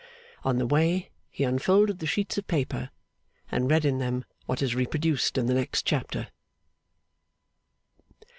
On the way he unfolded the sheets of paper, and read in them what is reproduced in the next chapter.